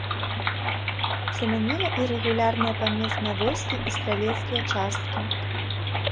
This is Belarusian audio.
Замяніла ірэгулярныя памесныя войскі і стралецкія часткі.